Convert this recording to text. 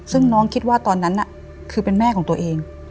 ซึ่งน้องคิดว่าตอนนั้นคือเป็นแม่ของตัวเอง